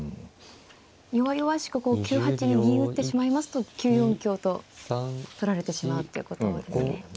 弱々しく９八に銀打ってしまいますと９四香と取られてしまうということですね。